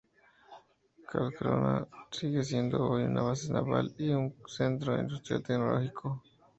Karlskrona sigue siendo hoy una base naval y un centro industrial tecnológico.